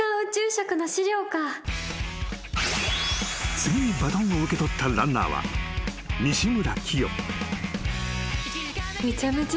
［次にバトンを受け取ったランナーは西村喜代］